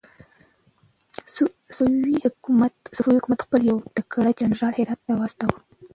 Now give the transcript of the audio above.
صفوي حکومت خپل يو تکړه جنرال هرات ته واستاوه.